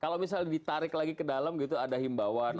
kalau misalnya ditarik lagi ke dalam gitu ada himbauan